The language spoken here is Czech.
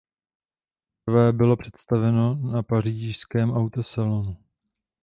Poprvé bylo představeno na Pařížském autosalonu.